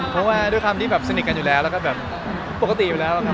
แต่ว่าโดยคำสนิทกันอยู่แหละแล้วก็แบบปกติอยู่แล้วนะครับ